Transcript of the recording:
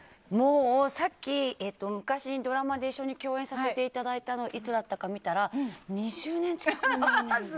さっき昔ドラマで一緒に共演させていただいたのをいつだったか見たら２０年近く前になるんです。